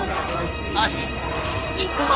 よし行くぞ。